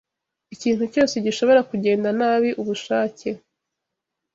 Ikintu cyose gishobora kugenda nabi ubushake.